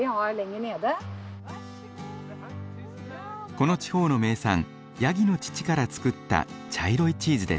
この地方の名産ヤギの乳から作った茶色いチーズです。